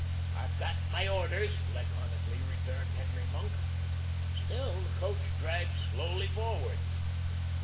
"I've got my orders!" laconically returned Henry Monk. Still the coach dragged slowly forward.